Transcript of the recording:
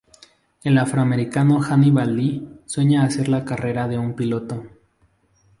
El afroamericano Hannibal Lee sueña hacer la carrera de un piloto.